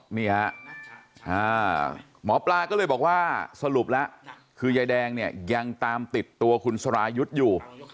หมอปลาก็เลยบอกว่าสรุปแล้วคือยายแดงเนี่ยยังตามติดตัวคุณสรายุทธ์อยู่